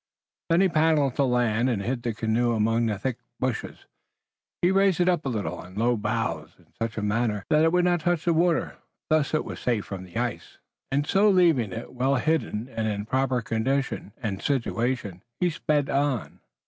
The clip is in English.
Then he paddled to land, and hid the canoe again among thick bushes. He raised it up a little on low boughs in such a manner that it would not touch the water. Thus it was safe from the ice, and so leaving it well hidden and in proper condition, and situation, he sped on."